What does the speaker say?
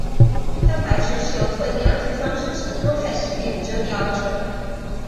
蛋白质是由特定氨基酸生成的多肽序列折叠而成。